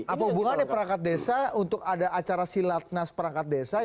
apa hubungannya perangkat desa untuk ada acara silatnas perangkat desa